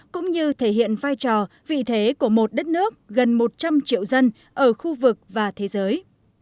cũng như thể hiện vai trò vị thế của một đất nước gần một trăm linh triệu dân ở khu vực và thế giới